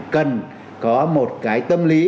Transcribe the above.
cần có một cái tâm lý